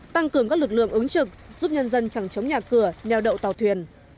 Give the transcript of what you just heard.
tăng cường các lực lượng ứng trực giúp nhân dân chẳng chống nhà cửa neo đậu tàu thuyền